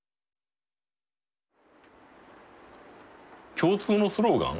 共通のスローガン。